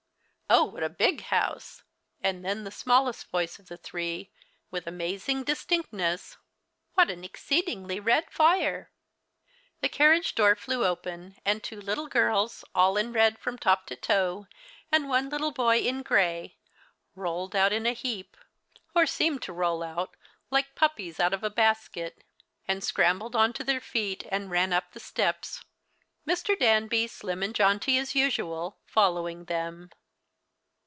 " Oh, what a big house !" And then the smallest voice of the three, with amazing distinctness —" What an exceedingly red fire !" The carriage door flew open, and two little girls, all in red from top to toe, and one little boy in grey, rolled The Christmas Hirelings. 93 out in a heap, or seemed to roll out, like puppies out of a basket, and scrambled on to their feet, and ran up the steps, Mr, Danby, slim and jaunty as usual, following them.